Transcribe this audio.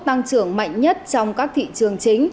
tăng trưởng mạnh nhất trong các thị trường chính